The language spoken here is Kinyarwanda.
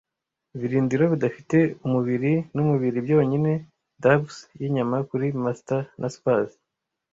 Ibirindiro bidafite umubiri numubiri byonyine, dabs yinyama kuri masta na spars,